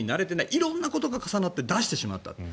色んなことが重なって出してしまった。